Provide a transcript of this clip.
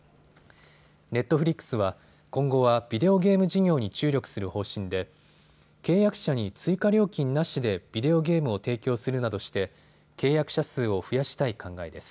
ネットフリックスは今後はビデオゲーム事業に注力する方針で契約者に追加料金なしでビデオゲームを提供するなどして契約者数を増やしたい考えです。